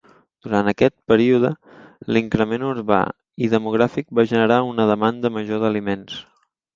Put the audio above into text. Durant aquest període, l'increment urbà i demogràfic va generar una demanda major d'aliments.